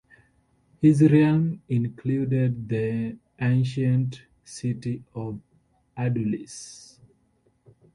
His realm included the ancient city of Adulis.